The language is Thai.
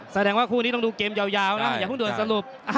แสดงว่าคู่นี้ต้องดูเกมยาวนะอย่าเพิ่งด่วนสรุป